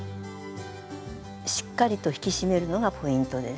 しっかりと引き締めるのがポイントです。